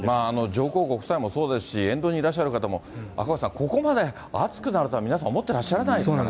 上皇ご夫妻もそうですし、沿道にいらっしゃる方も、赤星さん、ここまで暑くなるとは、皆さん思ってらっしゃらないですからね。